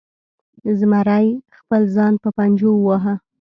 زمري خپل ځان په پنجو وواهه.